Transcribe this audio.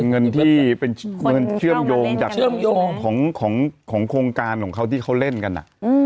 เงินที่เป็นเงินเชื่อมโยงจากของโครงการของเขาที่เขาเล่นกัน